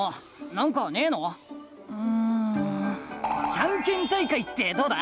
ジャンケン大会ってどうだ？